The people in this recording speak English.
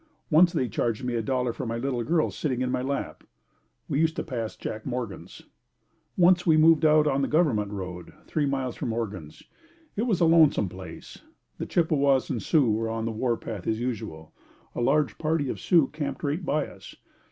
Once they charged me a dollar for my little girl sitting in my lap. We used to pass Jack Morgan's. Once we moved out on the Government Road, three miles from Morgan's. It was a lonesome place. The Chippewas and Sioux were on the warpath as usual. A large party of Sioux camped right by us.